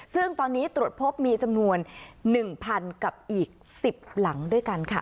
ซึ่งตอนนี้ตรวจพบมีจำนวน๑๐๐๐กับอีก๑๐หลังด้วยกันค่ะ